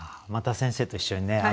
また先生と一緒にね